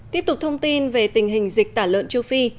tiếp tục thông tin về tình hình dịch tả lợn châu phi